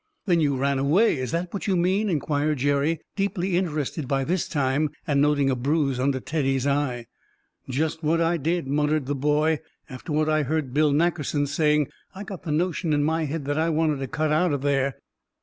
"Then you ran away; is that what you mean?" inquired Jerry, deeply interested by this time and noting a bruise under Teddy's eye. "Just what I did," muttered the boy. "After what I heard Bill Nackerson saying, I got the notion in my head that I wanted to cut out of there.